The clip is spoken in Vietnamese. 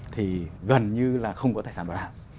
thì gần như là không có tài sản bảo đảm